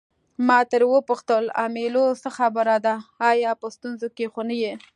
ما ترې وپوښتل امیلیو څه خبره ده آیا په ستونزه کې خو نه یې.